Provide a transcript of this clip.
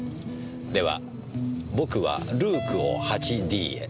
では僕はルークを８Ｄへ。